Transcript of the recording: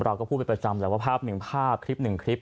เราก็พูดเป็นประจำแหละว่าภาพหนึ่งภาพคลิปหนึ่งคลิป